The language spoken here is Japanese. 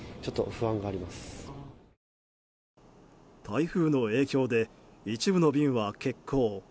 台風の影響で一部の便は欠航。